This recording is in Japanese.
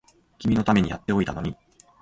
君のためにやっておいたのに